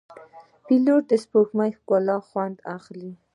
پیلوټ د سپوږمۍ له ښکلا خوند اخلي.